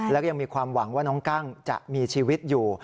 แล้วก็ยังมีความหวังว่าน้องกั้งจะมีชีวิตอยู่